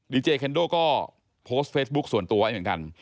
เจเคนโดก็โพสต์เฟซบุ๊คส่วนตัวไว้เหมือนกัน